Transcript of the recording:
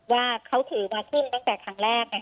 ว่าเขาถือมาขึ้นตั้งแต่ครั้งแรก